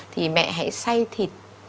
thì mẹ hãy xay thịt